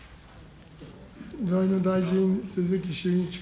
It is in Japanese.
財務大臣、鈴木俊一君。